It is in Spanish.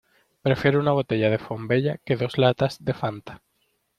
Prefiero una botella de Font Vella que dos latas de Fanta.